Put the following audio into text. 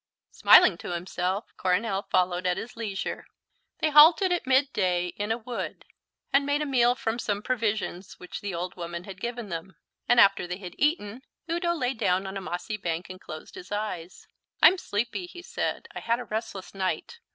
Smiling to himself, Coronel followed at his leisure. They halted at mid day in a wood, and made a meal from some provisions which the old woman had given them; and after they had eaten, Udo lay down on a mossy bank and closed his eyes. "I'm sleepy," he said; "I had a restless night.